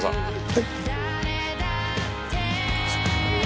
はい。